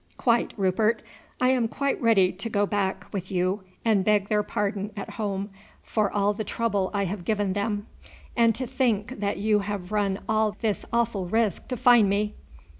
"Quite, Rupert; I am quite ready to go back with you and beg their pardon at home for all the trouble I have given them. And to think that you have run all this awful risk to find me!"